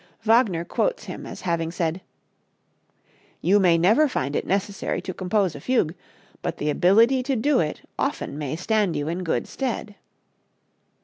Wagner quotes him as having said: "You may never find it necessary to compose a fugue, but the ability to do it often may stand you in good stead."